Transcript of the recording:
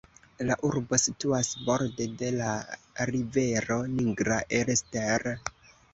La urbo situas borde de la rivero Nigra Elster.